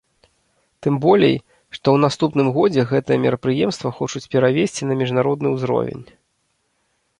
Тым болей, што ў наступным годзе гэтае мерапрыемства хочуць перавесці на міжнародны ўзровень.